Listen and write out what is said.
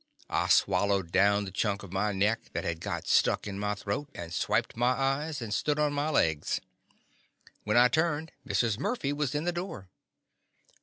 I swallowed down the chunk of my neck that had got stuck in my throat, and swiped my eyes, and stood on my legs. When I turned, Mrs. Murphy was in the door.